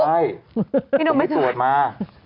พี่นุ่มไปตรวจมา